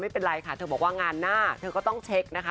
ไม่เป็นไรค่ะเธอบอกว่างานหน้าเธอก็ต้องเช็คนะคะ